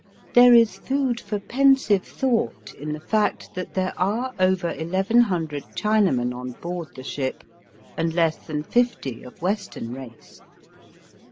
There is food for pensive thought in the fact that there are over eleven hundred China men on board the ship, and less than fifty of Western race.